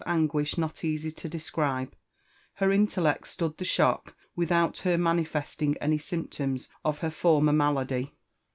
anguish not easy to describe, her intellect stood the shock without her mani festing any symptoms of her former malady.